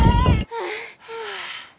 はあ。